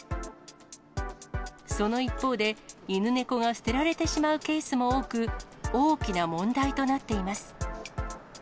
その一方で、犬、猫が捨てられてしまうケースも多く、大きな問題となっています。